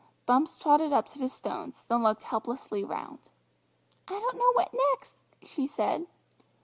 Bumps trotted up to the stones then looked helplessly round. "I don't know what next," she said.